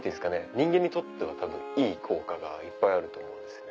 人間にとっては多分いい効果がいっぱいあると思うんですよね。